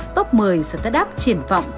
top một mươi sẽ đáp triển vọng